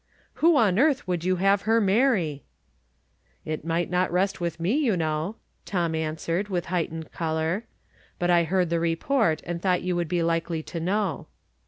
" Who on earth would you have her marry ?"" It might not rest vi ith me, j'ou know," Tom answered, with heightened color. " But I heard the report, and thought you would be likely to know."